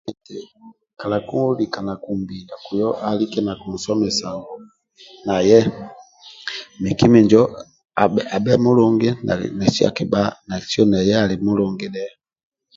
Nti kalakulika nakumbinda kuyo alike nakunsomesa naye miki minjo abhe abhe nesi akibha mulungi nesi nesi naye ali mulungi dhe